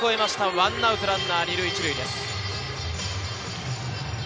１アウトランナー２塁１塁です。